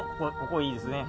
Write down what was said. ここいいですね。